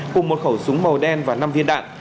cùng một khẩu súng màu đen và năm viên đạn